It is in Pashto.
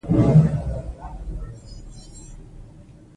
د کور ساتنه زموږ دنده ده.